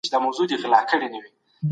موږ ټول انسانان یو.